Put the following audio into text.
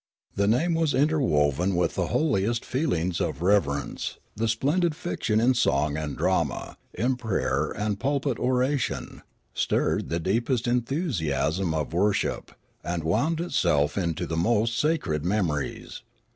The name was The Bureau of Fame 105 interwoven with the holiest feelings of reverence ; the splendid fiction in song and drama, in prayer and pul pit oration, stirred the deepest enthusiasm of worship, and wound itself into the most sacred memories.